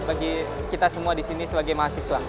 bagi kita semua disini sebagai mahasiswa